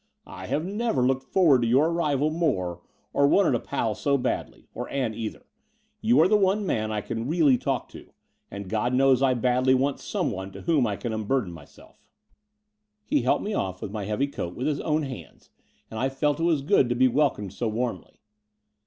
"I have never looked forward to your arrival more or wanted a pal so badly — or Ann either. You are the one man I can really talk to; and God knows I badly want someone to whom I can unburden myself." The Brighton Road 71 He helped me off with my heavy coat with his own hands : and I felt it was good to be welcomed so warmly.